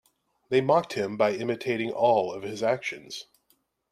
They mocked him by imitating all of his actions.